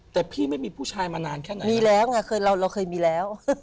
แต่พี่ไม่มีผู้ชายมานานแค่ไหนมีแล้วไงเคยเราเคยมีแล้ว